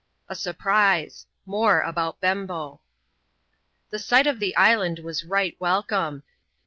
A Surprise. — More about Bembo: The sight of the island was right welcome.